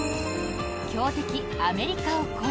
強敵アメリカを超え